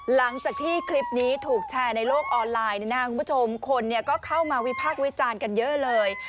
หลังจากที่คลิปนี้ถูกแชร์ในโลกออนไลน์คุณผู้ชมคนก็เข้ามาวิพากษ์วิจารณ์กันเยอะเลย